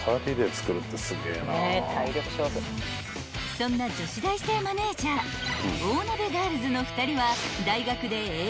［そんな女子大生マネージャー大鍋ガールズの２人は］